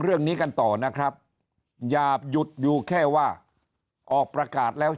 เรื่องนี้กันต่อนะครับอย่าหยุดอยู่แค่ว่าออกประกาศแล้ว